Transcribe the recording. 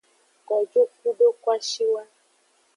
Kojo kudo kwashiwa.